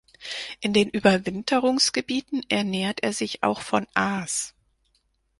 In den Überwinterungsgebieten ernährt er sich auch von Aas.